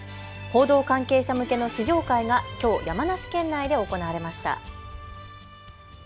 報道関係者向けの試乗会がきょう山梨県内で行われました。